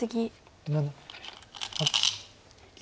７８９。